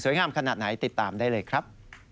งามขนาดไหนติดตามได้เลยครับ